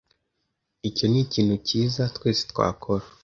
Icyo ni ikintu cyiza twese twakora